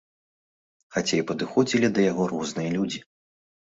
Хаця і падыходзілі да яго розныя людзі.